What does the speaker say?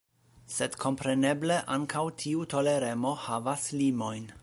Sed kompreneble ankaŭ tiu toleremo havas limojn.